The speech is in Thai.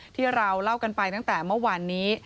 ที่เราเล่ากันไปตั้งแต่เมื่อวานนี้